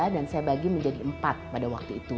dan saya bagi menjadi empat pada waktu itu